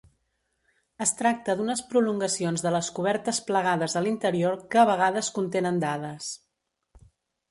Es tracta d'unes prolongacions de les cobertes plegades a l'interior, que a vegades contenen dades.